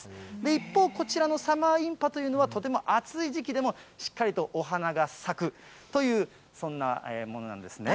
一方、こちらのサマーインパというのは、とても暑い時期でも、しっかりお花が咲くという、そんなものなんですね。